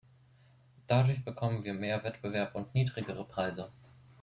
Dadurch bekommen wir mehr Wettbewerb und niedrigere Preise.